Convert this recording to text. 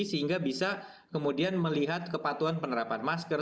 sehingga bisa kemudian melihat kepatuan penerapan masker